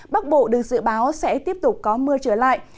bắc bộ được dự báo sẽ tiếp tục có mưa trở lại